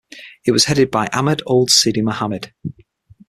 It was headed by Ahmed Ould Sidi Mohamed.